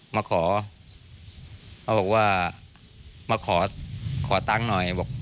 มาขอเขาบอกว่ามาขอขอตังค์หน่อยบอก